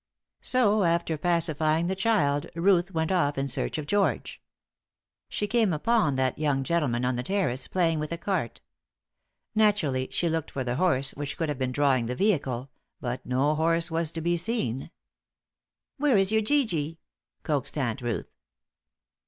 So, after pacifying the child, Ruth went off in search of George. She came upon that young gentleman on the terrace playing with a cart. Naturally, she looked for the horse which should have been drawing the vehicle, but no horse was to be seen. "Where is your gee gee?" coaxed Aunt Ruth.